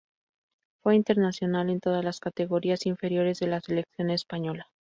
Fue internacional en todas las categorías inferiores de la selección española.